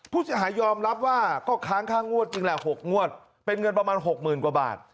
ผู้เสียหายยอมรับว่าก็ค้างค่างวดจริงแหละ๖งวดเป็นเงินประมาณ๖๐๐๐กว่าบาท